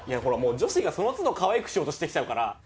ほらもう女子がその都度かわいくしようとしてきちゃうから。